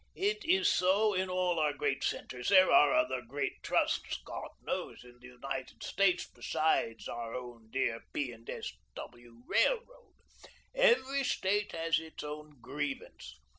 It is so in all our great centres. There are other great trusts, God knows, in the United States besides our own dear P. and S. W. Railroad. Every State has its own grievance.